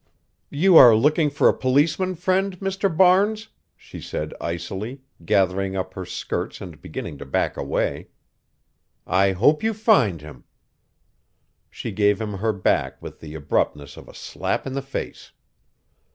"You are looking for a policeman friend, Mr. Barnes?" she said icily, gathering up her skirts and beginning to back away. "I hope you find him." She gave him her back with the abruptness of a slap in the face.